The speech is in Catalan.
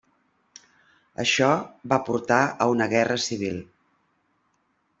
Això va portar a una guerra civil.